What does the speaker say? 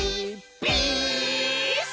ピース！」